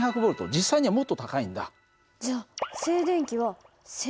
実際にはもっと高いんだ。